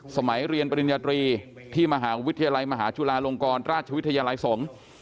สมัยเรียนปริญญาตรีที่มหาวิทยาลัยมหาจุฬาลงกรราชวิทยาลัยสงฆ์